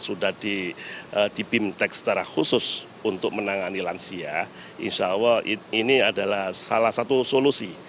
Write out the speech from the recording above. sudah di bimtek secara khusus untuk menangani lansia insya allah ini adalah salah satu solusi